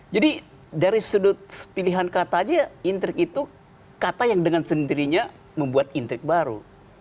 jadi dari sudut pilihan kata saja intrik itu kata yang dengan sendirinya membuat intrik baru